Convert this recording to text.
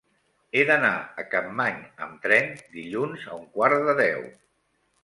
He d'anar a Capmany amb tren dilluns a un quart de deu.